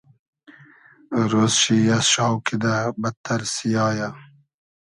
رۉز شی از شاو کیدۂ بئدتئر سیایۂ